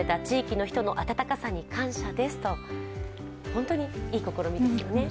本当にいい試みですよね。